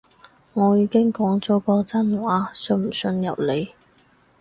我已經講咗個真話，信唔信由你